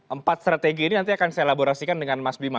empat strategi ini nanti akan saya elaborasikan dengan mas bima